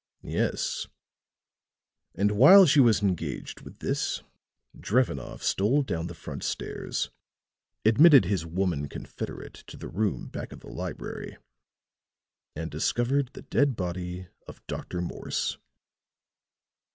"Yes; and while she was engaged with this Drevenoff stole down the front stairs, admitted his woman confederate to the room back of the library and discovered the dead body of Dr. Morse.